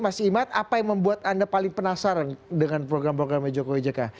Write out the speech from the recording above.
mas imad apa yang membuat anda paling penasaran dengan program programnya jokowi jk